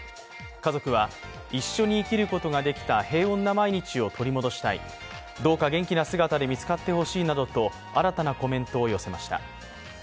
家族は一緒に生きることができた平穏な毎日を取り戻したい、どうか元気な姿で見つかってほしいなどと新たなコメントを寄せました。